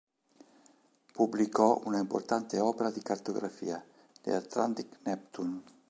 Pubblicò una importante opera di cartografiaː "The Atlantic Neptune".